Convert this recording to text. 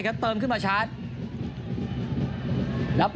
ส่วนที่สุดท้ายส่วนที่สุดท้าย